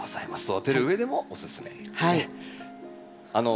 育てるうえでもおすすめですね。